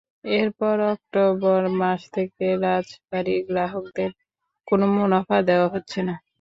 এরপর অক্টোবর মাস থেকে রাজবাড়ীর গ্রাহকদের কোনো মুনাফা দেওয়া হচ্ছে না।